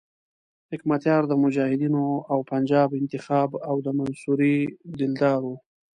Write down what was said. حکمتیار د مجاهدینو او پنجاب انتخاب او د منصوري دلدار وو.